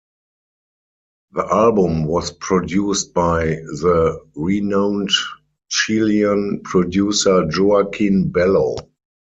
The album was produced by the renowned Chilean producer Joakin Bello.